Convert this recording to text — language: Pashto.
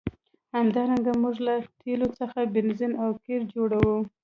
همدارنګه موږ له تیلو څخه بنزین او قیر جوړوو.